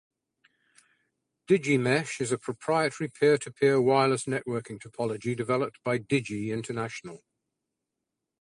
DigiMesh is a proprietary peer-to-peer wireless networking topology developed by Digi International.